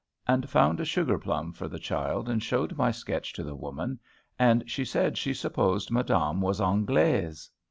and found a sugar plum for the child and showed my sketch to the woman; and she said she supposed madame was Anglaise.